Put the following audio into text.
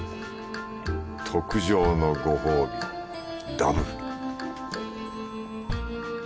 特上のご褒美ダブル